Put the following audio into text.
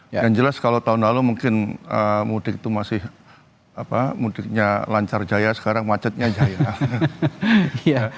yang jelas kalau tahun lalu mungkin mudik itu masih mudiknya lancar jaya sekarang macetnya jaya